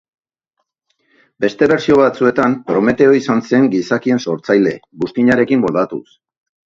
Beste bertsio batzuetan, Prometeo izan zen gizakien sortzaile, buztinarekin moldatuz.